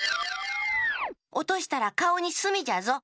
おとしたらかおにすみじゃぞ。